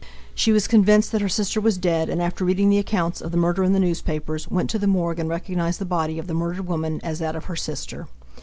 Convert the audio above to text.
She was convinced that her sister was dead, and after reading the accounts of the murder in the newspapers, went to the morgue and recognized the body of the murdered woman as that of her sister.